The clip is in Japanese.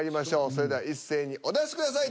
それでは一斉にお出しください